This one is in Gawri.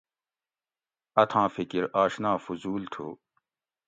اتھاں فکر آشنا فضول تھو